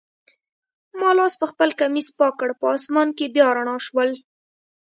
ما لاس پخپل کمیس پاک کړ، په آسمان کي بیا رڼا شول.